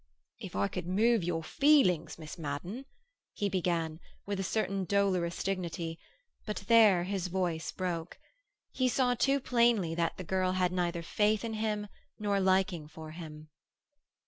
"If I could move your feelings, Miss Madden," he began, with a certain dolorous dignity; but there his voice broke. He saw too plainly that the girl had neither faith in him nor liking for him.